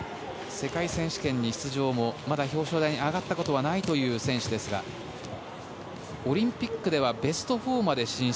世界選手権に出場もまだ表彰台に上がったことがないという選手ですがオリンピックではベスト４まで進出。